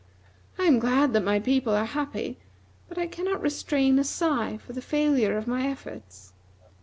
I am glad that my people are happy, but I cannot restrain a sigh for the failure of my efforts."